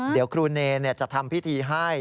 เดี๋ยวครูเนรจะทำพิธีให้